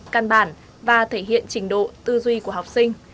căn bản và thể hiện trình độ tư duy của học sinh